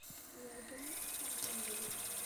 আমি একজন পার্ট-টাইম জাদুকর।